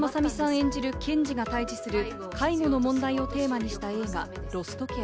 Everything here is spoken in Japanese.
演じる検事が対峙する介護の問題をテーマにした映画『ロストケア』。